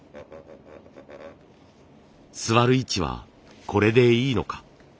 座る位置はこれでいいのか。